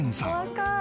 「若い！」